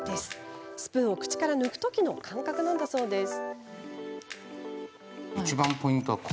スプーンを口から抜く時の感覚なんだそうです。